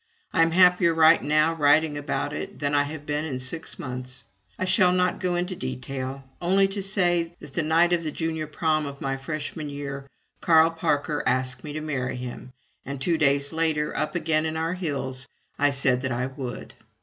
I am happier right now writing about it than I have been in six months. I shall not go into detail only to say that the night of the Junior Prom of my Freshman year Carl Parker asked me to marry him, and two days later, up again in our hills, I said that I would.